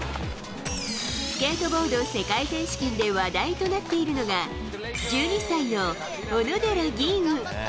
スケートボード世界選手権で話題となっているのが、１２歳の小野寺吟雲。